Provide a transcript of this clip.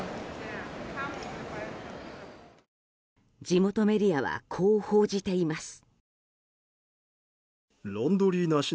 地元メディアはこう報じています。